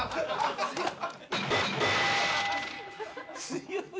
強い。